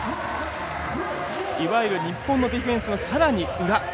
いわゆる日本のディフェンスのさらに裏。